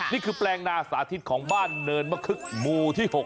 แปลงนาสาธิตของบ้านเนินมะคึกหมู่ที่๖